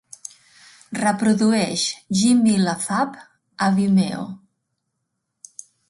Reprodueix Jimmy Lafave a Vimeo.